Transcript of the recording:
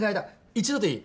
一度でいい。